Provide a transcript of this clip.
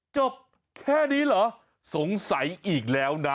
จบแค่นี้เหรอสงสัยอีกแล้วนะ